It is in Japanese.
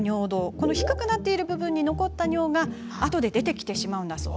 この低くなっている部分に残った尿があとで出てきてしまうんだそう。